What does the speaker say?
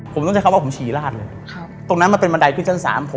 ผมต้องใช้คำว่าผมฉี่ลาดเลยตรงนั้นมันเป็นบันไดขึ้นชั้น๓